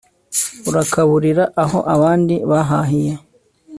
urakaburira aho abandi bahahiye